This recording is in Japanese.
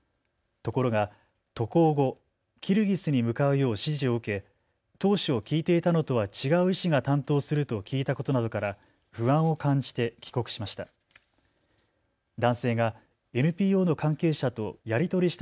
ところが渡航後、キルギスに向かうよう指示を受け当初聞いていたのとは違う医師が担当すると聞いたことなどから不安を感じて帰国しました。